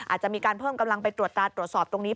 อาจจะมีการเพิ่มกำลังไปตรวจตาตรวจสอบตรงนี้